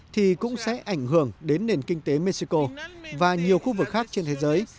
thì cũng sẽ ảnh hưởng đến nền kinh tế mexico và nhiều khu vực khác trên thế giới